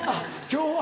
今日は。